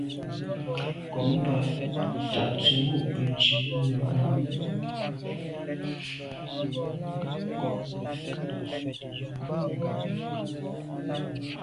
Nummb’a ta tsemo’ benntùn nebame.